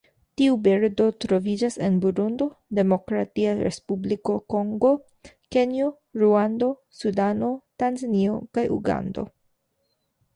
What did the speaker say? Tiu birdo troviĝas en Burundo, Demokratia Respubliko Kongo, Kenjo, Ruando, Sudano, Tanzanio kaj Ugando.